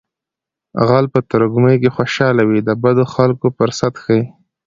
غل په ترږمۍ کې خوشحاله وي د بدو خلکو فرصت ښيي